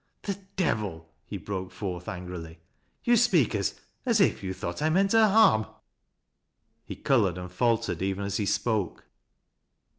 " The devil !" he broke forth, angrily. " You speak as — as if you thought I meant her harm." He colored and faltered, even as he spoke.